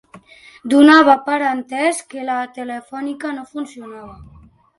Donava per entès que la Telefònica no funcionava